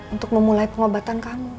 untuk memulai pengobatan kamu